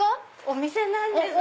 お店なんです。